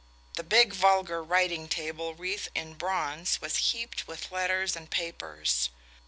The big vulgar writing table wreathed in bronze was heaped with letters and papers.